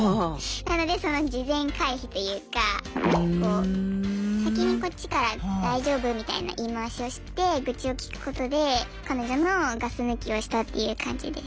なのでその事前回避というか先にこっちから大丈夫？みたいな言い回しをして愚痴を聞くことで彼女のガス抜きをしたっていう感じです。